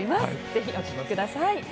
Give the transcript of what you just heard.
ぜひお聴きください。